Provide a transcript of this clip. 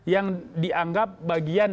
yang dianggap bagian